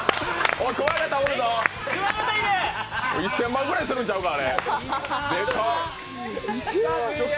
１０００万円ぐらいするんちゃうか、あれ？でかっ！